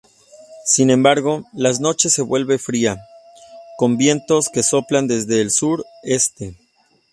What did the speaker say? Sin embargo, las noches se vuelve fría, con vientos que soplan desde el sur-este.